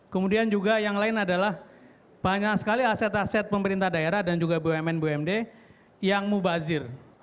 kemudian juga yang lain adalah banyak sekali aset aset pemerintah daerah dan juga bumn bumd yang mubazir